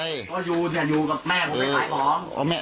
อยู่อยู่มันอยู่กับแม่ผมไปขายของ